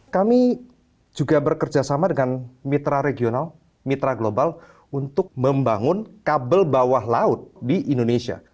kami juga bekerjasama dengan mitra regional mitra global untuk membangun kabel bawah laut di indonesia